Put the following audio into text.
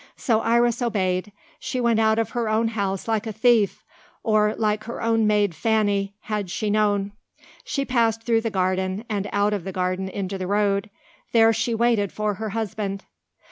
So Iris obeyed. She went out of her own house like a thief, or like her own maid Fanny, had she known. She passed through the garden, and out of the garden into the road. There she waited for her husband.